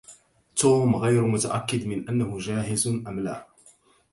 توم غير متأكد من أنه جاهز أم لا.